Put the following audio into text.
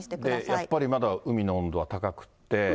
やっぱりまだ海の温度は高くって。